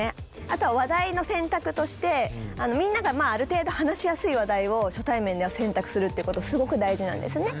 あとは話題の選択としてみんながある程度話しやすい話題を初対面では選択するってことすごく大事なんですね。